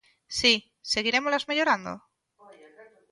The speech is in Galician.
Si; seguirémolas mellorando?